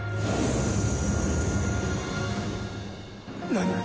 何！？